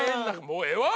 もうええわ！